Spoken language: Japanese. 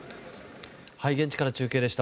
現地から中継でした。